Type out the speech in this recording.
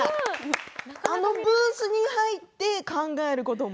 あのブースに入って考えることも？